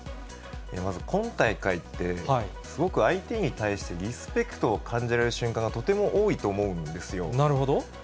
まず今大会って、すごく相手に対してリスペクトを感じられる瞬間がとても多いと思うんですよ。